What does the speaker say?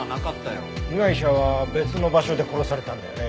被害者は別の場所で殺されたんだよね。